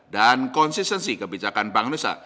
dan konsistensi kebijakan bank nusa